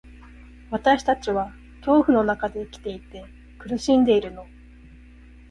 私たちは恐怖の中で生きていて、苦しんでいるの。